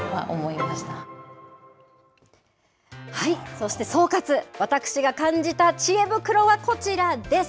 そして総括、私が感じたちえ袋はこちらです。